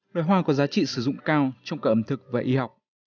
loài hoa có giá trị sử dụng cao trong cả ẩm thực và y học